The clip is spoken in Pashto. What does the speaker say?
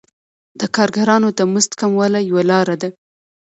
د کارګرانو د مزد کموالی یوه لاره ده